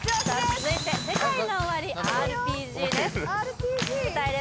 続いてＳＥＫＡＩＮＯＯＷＡＲＩ「ＲＰＧ」ですお前いける？